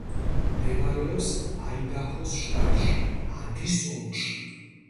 მდებარეობს აიდაჰოს შტატში, ადის ოლქში.